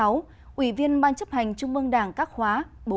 ủy viên ban chấp hành trung mương đảng các khóa bốn năm sáu